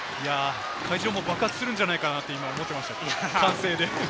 会場も爆発するんじゃないかなって思いました、歓声で。